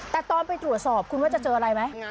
แต่ตอนไปตรวจสอบคุณว่าจะเจออะไรไหม